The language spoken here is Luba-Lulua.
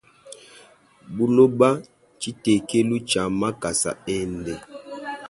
Buloba ntshitekelu tshia makasa ende.